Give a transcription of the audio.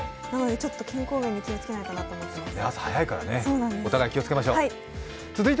なので、ちょっと健康面に気をつけないとと思います。